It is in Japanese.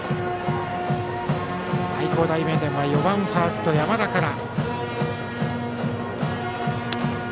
愛工大名電は４番ファースト、山田から。